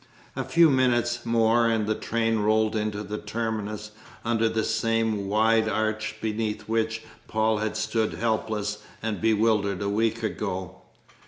A very few minutes more and the train rolled in to the terminus, under the same wide arch beneath which Paul had stood, helpless and bewildered, a week ago.